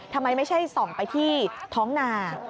ไม่ใช่ส่องไปที่ท้องนา